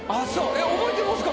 えっ覚えてますか？